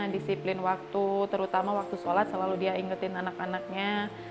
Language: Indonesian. disiplin waktu terutama waktu sholat selalu dia ingetin anak anaknya